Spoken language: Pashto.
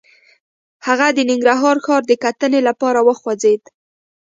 هغه د ننګرهار ښار د کتنې لپاره وخوځېد.